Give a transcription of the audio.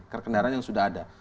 kerkenaran yang sudah ada